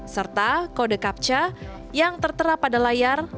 serta kode captu yang tertera pada layar